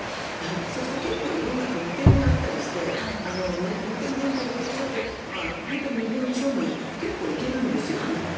そうすると、結構色んな特典があったりして運転免許履歴書で身分証明、結構いけるんですよね